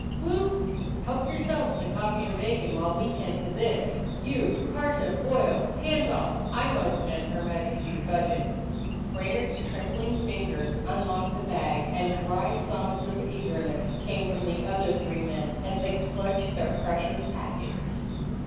Whoop! Help yourselves to coffee and bacon while we tend to this. You, Carson, Boyle — hands off! I *m openin' her Majesty's budget." Brainard 's trembling fingers unlocked the bag, and dry sobs of eagerness came from the other three men as they clutched their pre cious packets.